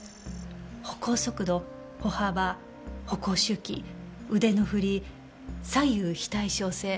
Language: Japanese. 歩行速度歩幅歩行周期腕の振り左右非対称性